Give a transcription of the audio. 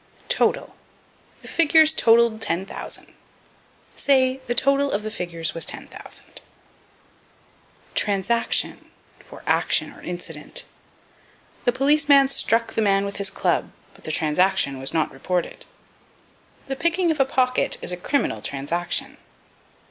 Total. "The figures totaled 10,000." Say, The total of the figures was 10,000. Transaction for Action, or Incident. "The policeman struck the man with his club, but the transaction was not reported." "The picking of a pocket is a criminal transaction."